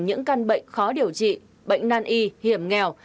những căn bệnh khó điều trị bệnh nan y hiểm nghèo